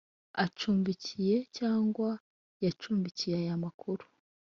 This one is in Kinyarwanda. acumbikiye cyangwa yacumbikiye Aya makuru